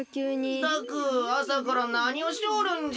ったくあさからなにをしておるんじゃ。